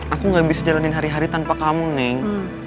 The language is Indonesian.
aku gak bisa jalanin hari hari tanpa kamu neng